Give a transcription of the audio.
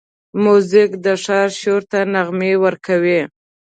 موزیک د ښار شور ته نغمه ورکوي.